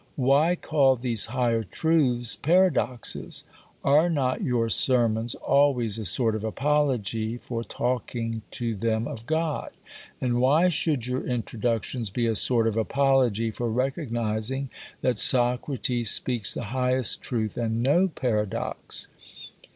Why call these higher truths "paradoxes"? Are not your sermons always a sort of apology for talking to them of God? And why should your Introductions be a sort of apology for recognizing that Socrates speaks the highest truth and no paradox?